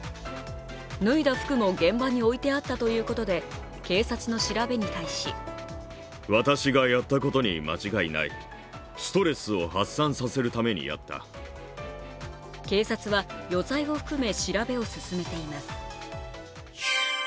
脱いだ服も現場に置いてあったということで警察の調べに対し警察は余罪を含め調べを進めています。